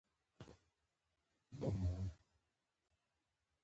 شپږمه ورځ سنباد بله کیسه وکړه.